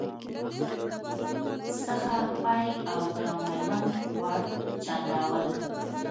څخه پیل او د میوند واټ، چنداول